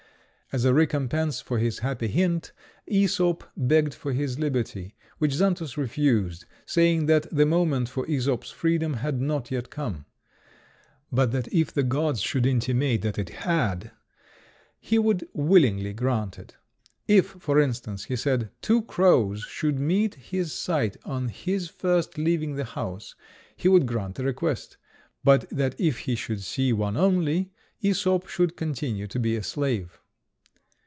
As a recompense for this happy hint, Æsop begged for his liberty, which Xantus refused, saying that the moment for Æsop's freedom had not yet come; but that if the gods should intimate that it had, he would willingly grant it. If, for instance, he said, two crows should meet his sight on his first leaving the house, he would grant the request; but that if he should see one only, Æsop should continue to be a slave.